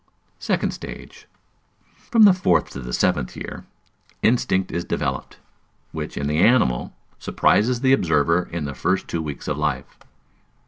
Second Stage. From the fourth to the seventh year, instinct is developed; which, in the animal, surprises the observer in the first two weeks of life.